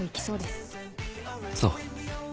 そう。